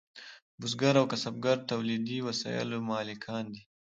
بزګر او کسبګر د تولیدي وسایلو مالکان دي.